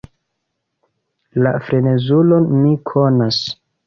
La frenezulon mi konas.